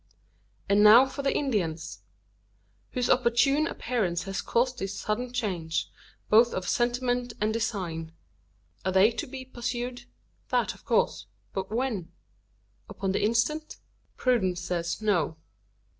And now for the Indians whose opportune appearance has caused this sudden change, both of sentiment and design. Are they to be pursued? That of course. But when? Upon the instant? Prudence says, no.